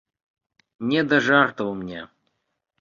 Не да жартаў мне.